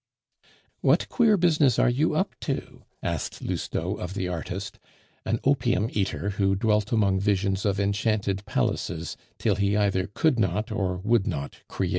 "What queer business are you up to?" asked Lousteau of the artist, an opium eater who dwelt among visions of enchanted palaces till he either could not or would not create.